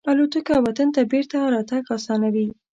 الوتکه وطن ته بېرته راتګ آسانوي.